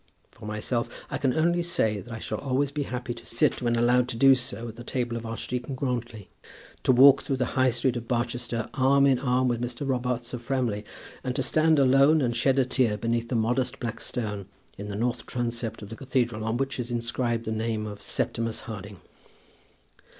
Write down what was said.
For myself I can only say that I shall always be happy to sit, when allowed to do so, at the table of Archdeacon Grantly, to walk through the High Street of Barchester arm in arm with Mr. Robarts of Framley, and to stand alone and shed a tear beneath the modest black stone in the north transept of the cathedral on which is inscribed the name of Septimus Harding.